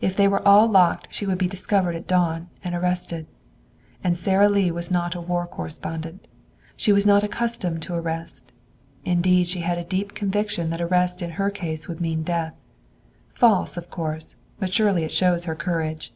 If they were all locked she would be discovered at dawn, and arrested. And Sara Lee was not a war correspondent. She was not accustomed to arrest. Indeed she had a deep conviction that arrest in her case would mean death. False, of course, but surely it shows her courage.